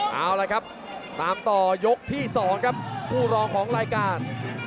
เอาละครับตามต่อยกที่๒ครับคู่รองของรายการ